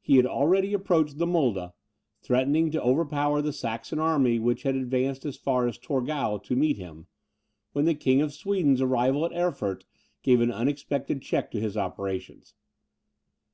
He had already approached the Mulda, threatening to overpower the Saxon army which had advanced as far as Torgau to meet him, when the King of Sweden's arrival at Erfurt gave an unexpected check to his operations.